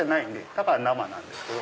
だから生なんですけど。